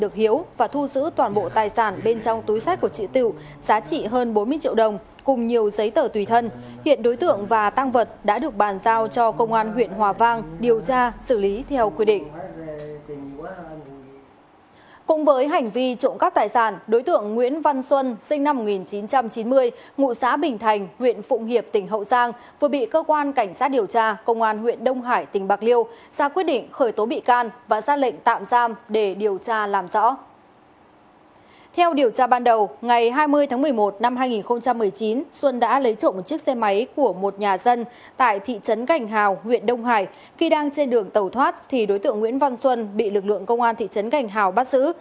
khi đang trên đường tàu thoát thì đối tượng nguyễn văn xuân bị lực lượng công an thị trấn cảnh hào bắt giữ